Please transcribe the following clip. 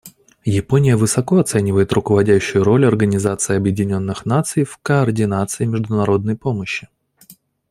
Япония высоко оценивает руководящую роль Организации Объединенных Наций в координации международной помощи.